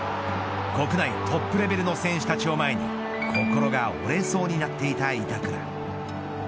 国内トップレベルの選手たちを前に心が折れそうになっていた板倉。